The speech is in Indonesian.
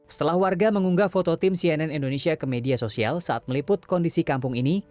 setelah warga mengunggah foto tim cnn indonesia ke media sosial saat meliput kondisi kampung ini